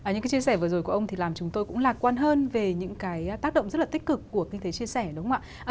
những cái chia sẻ vừa rồi của ông thì làm chúng tôi cũng lạc quan hơn về những cái tác động rất là tích cực của kinh tế chia sẻ đúng không ạ